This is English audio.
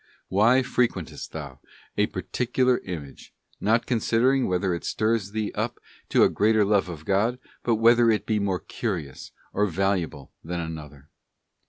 Why fre quentest thou a particular image, not considering whether it stirs thee up to a greater love of God, but whether it be more curious or valuable than another?